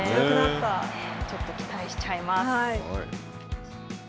ちょっと期待しちゃいます。